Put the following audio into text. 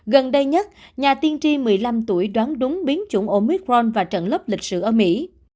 gần đây nhất nhà tiên tri một mươi năm tuổi đoán đúng biến chủng omicron và trận lớp lịch sử ở mỹ